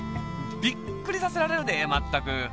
びっくりさせられるでまったく。